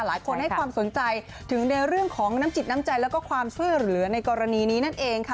หลายคนให้ความสนใจถึงในเรื่องของน้ำจิตน้ำใจแล้วก็ความช่วยเหลือในกรณีนี้นั่นเองค่ะ